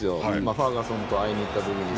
ファーガソンを会いに行った時に。